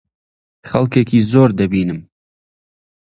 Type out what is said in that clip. خەڵکێکی زۆر دەبینم.